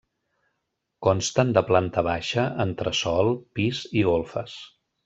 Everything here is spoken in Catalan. Consten de planta baixa, entresòl, pis i golfes.